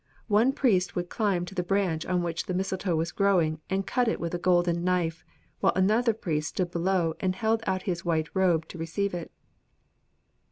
One priest would climb to the branch on which the misletoe was growing and cut it with a golden knife, while another priest stood below and held out his white robe to receive it.